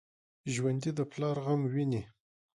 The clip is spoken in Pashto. ژوندي د پلار غم ویني